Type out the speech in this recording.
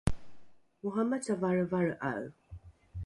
oramaca valrevalre’ae